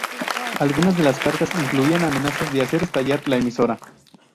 Algunas de las cartas incluían amenazas de hacer estallar la emisora.